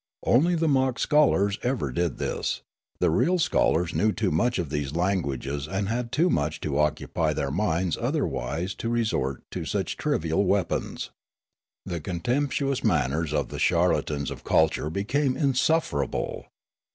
Only the mock scholars ever did this ; the real scholars knew too much of these languages and had too much to occupy their minds otherwise to resort to such trivial 132 Riallaro weapons. The contemptuous manners of the charla tans of culture became insufferable.